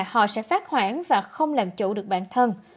họ sẽ phát hoãn và không làm chủ được bản thân